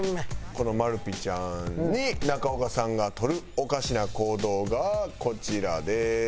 このまるぴちゃんに中岡さんが取るおかしな行動がこちらでーす。